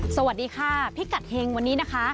สวัสดีค่ะพิกัดเฮงวันนี้นะคะ